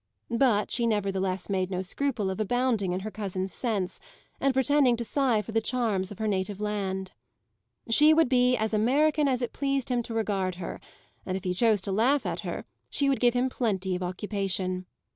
But she nevertheless made no scruple of abounding in her cousin's sense and pretending to sigh for the charms of her native land. She would be as American as it pleased him to regard her, and if he chose to laugh at her she would give him plenty of occupation.